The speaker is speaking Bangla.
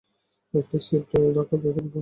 একটা সিট রেখে দেবো।